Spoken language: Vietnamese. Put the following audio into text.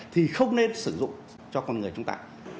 thì không nên sử dụng cho con người chúng ta